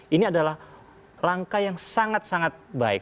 ini adalah langkah yang sangat sangat baik